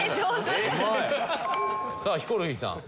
さあヒコロヒーさん。